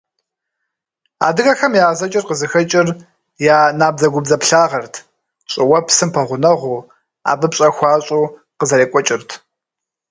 Адыгэхэм я ӏэзэкӏэр къызыхэкӏыр я набдзэгубдзаплъагъэрт, щӏыуэпсым пэгъунэгъуу, абы пщӏэ хуащӏу къызэрекӏуэкӏырт.